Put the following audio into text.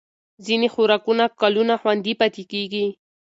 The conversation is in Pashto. ځینې خوراکونه کلونه خوندي پاتې کېږي.